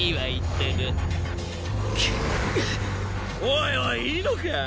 おいおいいいのか？